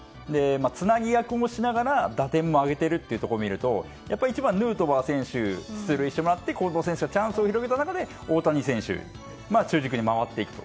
つなぎ役もしながら打点も挙げているというところを見ると１番、ヌートバー選手に出塁してもらって近藤選手がチャンスを広げた中で大谷選手などの中軸に回っていくと。